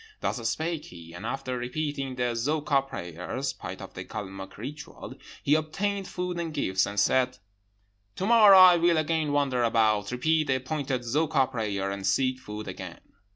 Thus spake he, and after repeating the Zoka prayers (part of the Calmuc ritual), he obtained food and gifts, and said, 'To morrow I will again wander around, repeat the appointed Zoka prayers, and seek food again.'